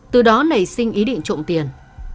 từ đó nảy sinh ý định trộm tiền